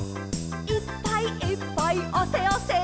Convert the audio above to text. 「いっぱいいっぱいあせあせ」